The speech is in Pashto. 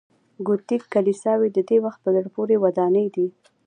ګوتیک کلیساوې د دې وخت په زړه پورې ودانۍ دي.